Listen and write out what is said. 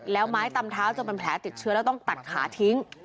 แล้วไม้ตำเท้าจนเป็นแผลติดเชื้อแล้วต้องตัดขาทิ้ง